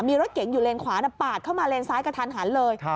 มีรถเก๋งอยู่เลนขวาปาดเข้ามาเลนซ้ายกระทันหันเลย